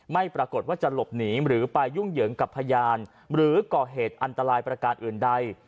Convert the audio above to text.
ไม่ปรากฏว่าจะหลบหนีหรือไปยุ่งเหยิงกับพยานหรือก่อเหตุอันตรายประการอื่นใด